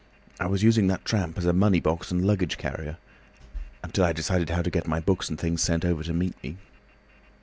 I was using that tramp as a money box and luggage carrier, until I decided how to get my books and things sent over to meet me."